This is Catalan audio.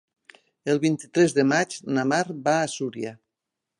El vint-i-tres de maig na Mar va a Súria.